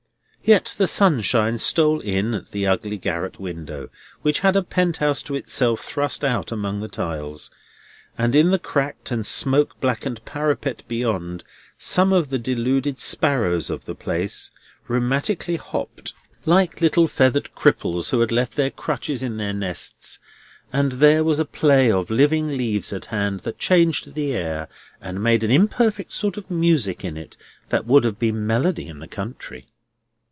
Yet the sunlight shone in at the ugly garret window, which had a penthouse to itself thrust out among the tiles; and on the cracked and smoke blackened parapet beyond, some of the deluded sparrows of the place rheumatically hopped, like little feathered cripples who had left their crutches in their nests; and there was a play of living leaves at hand that changed the air, and made an imperfect sort of music in it that would have been melody in the country.